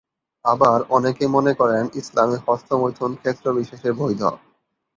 আবার অনেকে মনে করেন ইসলামে হস্তমৈথুন ক্ষেত্রবিশেষে বৈধ।